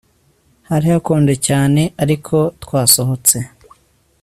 Hari hakonje cyane ariko twasohotse